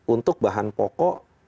untuk bahan pokok